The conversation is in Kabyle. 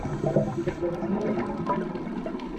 La t-ttnadin?